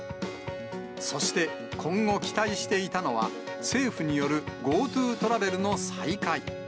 そして今後、期待していたのは、政府によるＧｏＴｏトラベルの再開。